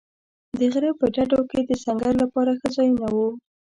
د غره په ډډو کې د سنګر لپاره ښه ځایونه و.